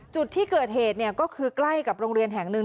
จุดที่เกิดเหตุก็คือใกล้กับโรงเรียนแห่งหนึ่ง